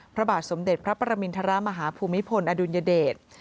พระบาทสมเด็จพระปรมินทรมาฮภูมิพลอดุลยเดช